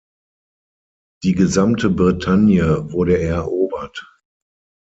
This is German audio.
Die gesamte Bretagne wurde erobert.